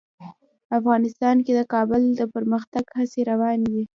افغانستان کې د کابل د پرمختګ هڅې روانې دي.